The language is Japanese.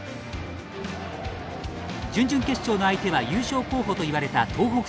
準々決勝の相手は優勝候補といわれた東北高校。